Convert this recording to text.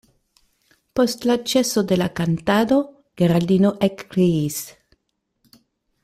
Post la ĉeso de la kantado Geraldino ekkriis: